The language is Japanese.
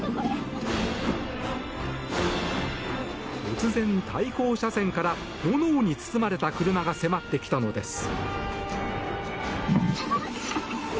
突然、対向車線から炎に包まれた車が迫ってきたのです。